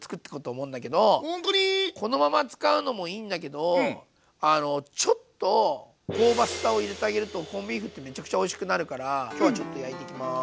ほんとに⁉このまま使うのもいいんだけどちょっと香ばしさを入れてあげるとコンビーフってめちゃくちゃおいしくなるから今日はちょっと焼いていきます。